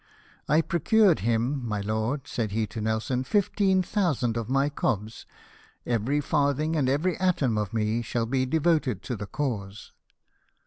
" I procured him, my lord," said he to Nelson, " fifteen thousand of my cobs ; every farthing, and every atom of me, shall be devoted to the cause."